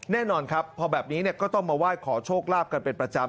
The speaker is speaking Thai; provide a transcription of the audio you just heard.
แน่นอนครับพอแบบนี้ก็ต้องมาไหว้ขอโชคลาภกันเป็นประจำ